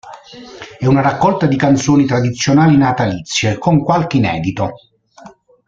È una raccolta di canzoni tradizionali natalizie, con qualche inedito.